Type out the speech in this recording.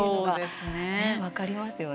分かりますよね。